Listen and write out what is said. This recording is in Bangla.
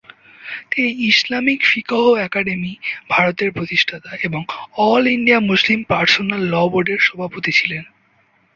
তিনি ইসলামিক ফিকহ একাডেমি, ভারতের প্রতিষ্ঠাতা এবং all India Muslim personal law বোর্ডের সভাপতি ছিলেন।